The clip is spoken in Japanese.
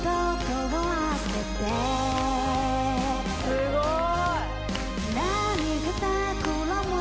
すごい。